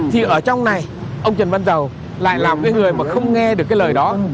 thì ở trong này ông trần văn dầu lại làm cái người mà không nghe được cái lời đó